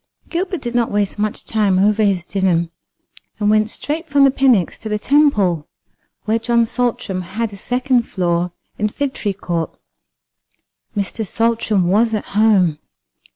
Gilbert did not waste much time over his dinner, and went straight from the Pnyx to the Temple, where John Saltram had a second floor in Figtree court. Mr. Saltram was at home.